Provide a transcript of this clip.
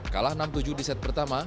kalah enam tujuh di set pertama